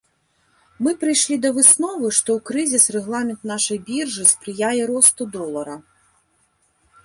Мы прыйшлі да высновы, што ў крызіс рэгламент нашай біржы спрыяе росту долара.